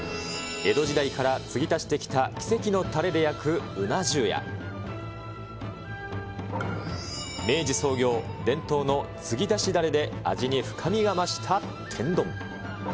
江戸時代から継ぎ足してきた奇跡のたれで焼くうな重や、明治創業、伝統の継ぎ足しだれで味に深みが増した天丼。